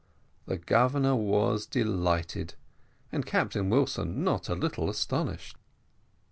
The Governor was delighted, and Captain Wilson not a little astonished.